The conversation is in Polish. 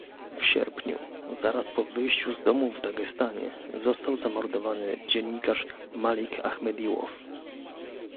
W sierpniu, zaraz po wyjściu z domu w Dagestanie zamordowany został dziennikarz Malik Achmediłow